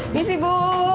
ini sih ibu